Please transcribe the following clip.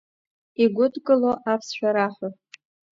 Игәыдкыло, аԥсшәа раҳәо.